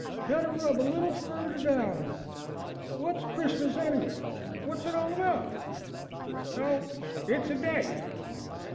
"Better rub a little furder down. Wot's Chrismiss, anyway? Wot's it all about?" "O, it's a day."